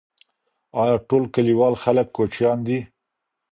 آیا ټول کلیوال خلګ کوچیان دي؟